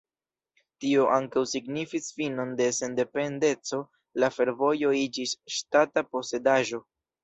Tio ankaŭ signifis finon de sendependeco, la fervojo iĝis ŝtata posedaĵo.